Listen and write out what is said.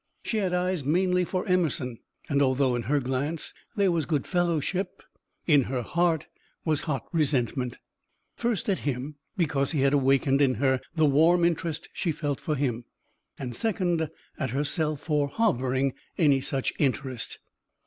She had eyes mainly for Emerson, and although in her glance there was good fellowship, in her heart was hot resentment first at him because he had awakened in her the warm interest she felt for him, and, second, at herself for harboring any such interest.